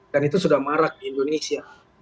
dan itu sudah marak di indonesia